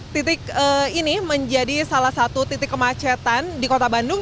titik ini menjadi salah satu titik kemacetan di kota bandung